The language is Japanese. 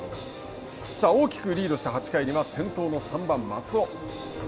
大きくリードした８回には先頭の３番松尾。